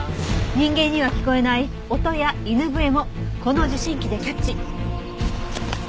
人間には聞こえない音や犬笛もこの受信機でキャッチ。